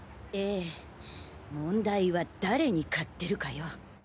ええ問題は誰に買ってるかよ。